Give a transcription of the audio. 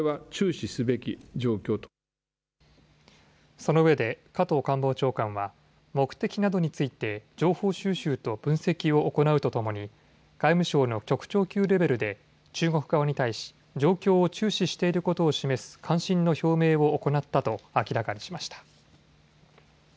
そのうえで加藤官房長官は目的などについて情報収集と分析を行うとともに外務省の局長級レベルで中国側に対し状況を注視していることを示す関心の表明を行ったと明らかにしました。